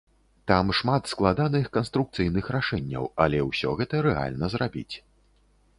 Там шмат складаных канструкцыйных рашэнняў, але ўсё гэта рэальна зрабіць.